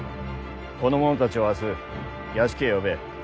この者たちを明日邸へ呼べ。